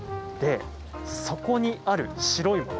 そこにある白いもの。